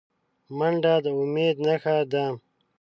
منډه د امید نښه ده